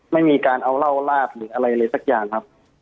ไม่มีการเอาเหล้าลาบหรืออะไรเลยสักอย่างครับ